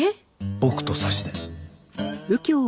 僕とサシで。